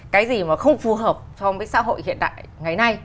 cái gì mà không phù hợp trong cái xã hội hiện đại ngày nay